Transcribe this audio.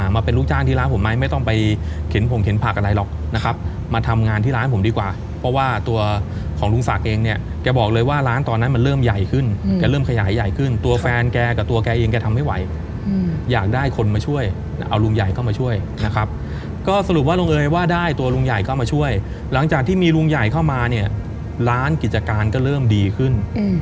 มาทำงานที่ร้านผมดีกว่าเพราะว่าตัวของลุงศักดิ์เองเนี่ยแกบอกเลยว่าร้านตอนนั้นมันเริ่มใหญ่ขึ้นเริ่มขยายใหญ่ขึ้นตัวแฟนแกกับตัวแกเองแกทำไม่ไหวอยากได้คนมาช่วยเอาลุงใหญ่เข้ามาช่วยนะครับก็สรุปว่าลุงเอ๋ว่าได้ตัวลุงใหญ่ก็มาช่วยหลังจากที่มีลุงใหญ่เข้ามาเนี่ยร้านกิจการก็เริ่มดีขึ้น